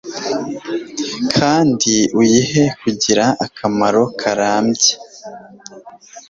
kandi uyihe kugira akamaro karambye